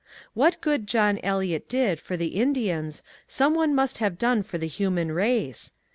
What good John Eliot did for the Indians some one must have done for the human race.